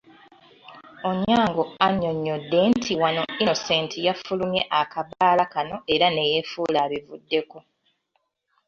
Onyango annyonnyodde nti wano Innocent yafulumye akabaala kano era ne yeefuula abivuddeko.